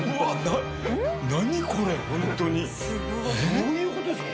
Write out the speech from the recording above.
どういう事ですか？